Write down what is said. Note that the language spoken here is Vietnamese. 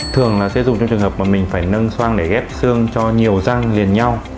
thường là sẽ dùng trong trường hợp mà mình phải nâng so để ghép xương cho nhiều sang liền nhau